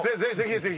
ぜひ！